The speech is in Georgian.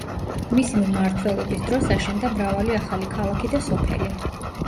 მისი მმართველობის დროს აშენდა მრავალი ახალი ქალაქი და სოფელი.